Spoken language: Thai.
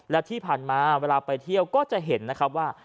และที่ผ่านมาเวลาไปเที่ยวก็จะเห็นนะครับว่า